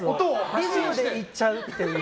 リズムでいっちゃうっていう。